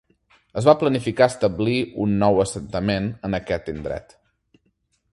Es va planificar establir un nou assentament en aquest indret.